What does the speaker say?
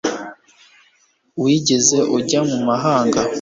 Wigeze ujya mu mahanga?